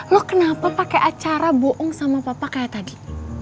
lo kenapa pake acara bohong sama papa kayak tadi